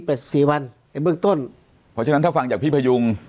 สี่วันในเบื้องต้นเพราะฉะนั้นถ้าฟังจากพี่พยุง